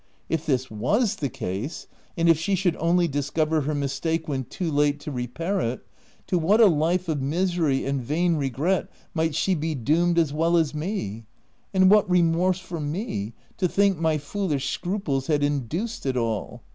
If this was the case, and if she should only discover her mistake when too late to re OF W1LDFELL HALL. 283 pair it — to what a life of misery and vain regret might she be doomed as well as me ! and what remorse for me, to think my foolish scruples had induced it all